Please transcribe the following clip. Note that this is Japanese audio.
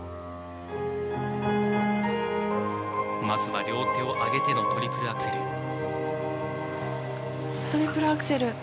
まずは両手を上げてのトリプルアクセル。